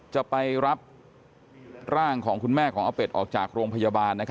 จะไปรับร่างของคุณแม่ของอาเป็ดออกจากโรงพยาบาล